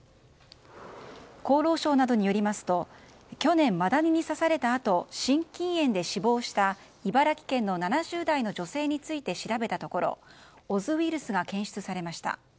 厚労省などによりますと去年、マダニに刺されたあと心筋炎で死亡した茨城県の７０代の女性について調べたところオズウイルスが検出されました。